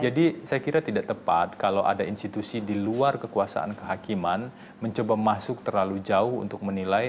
jadi saya kira tidak tepat kalau ada institusi di luar kekuasaan kehakiman mencoba masuk terlalu jauh untuk menilai